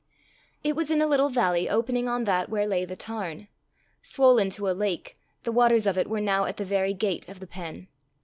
It was in a little valley opening on that where lay the tarn. Swollen to a lake, the waters of it were now at the very gate of the pen.